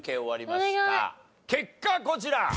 結果こちら。